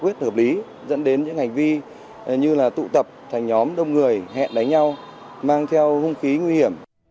giải quyết hợp lý dẫn đến những hành vi như là tụ tập thành nhóm đông người hẹn đánh nhau mang theo hung khí nguy hiểm